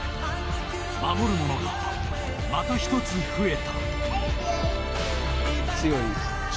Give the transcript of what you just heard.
守るものがまた一つ増えた。